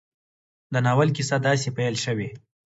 د ناول کيسه داسې پيل شوې